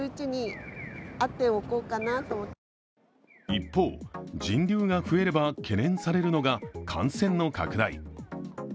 一方、人流が増えれば懸念されるのが感染の拡大。